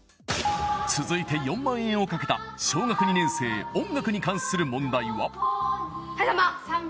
続いて４万円をかけた小学２年生音楽に関する問題ははい３番！